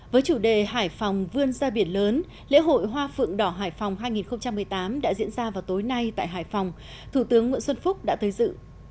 với chủ đề hải phòng vươn ra biển lớn lễ hội hoa phượng đỏ hải phòng hai nghìn một mươi tám đã diễn ra vào tối nay tại hải phòng thủ tướng nguyễn xuân phúc đã tới dự